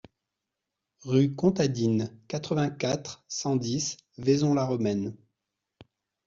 Rue Comtadine, quatre-vingt-quatre, cent dix Vaison-la-Romaine